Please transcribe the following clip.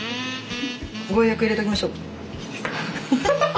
ご予約入れておきましょうか？